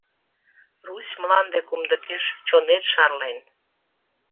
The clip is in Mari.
Русь мланде кумдыкеш чонет шарлен.